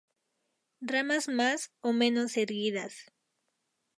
Ramas más o menos erguidas.